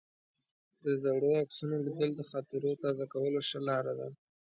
د زړو عکسونو لیدل د خاطرو تازه کولو ښه لار ده.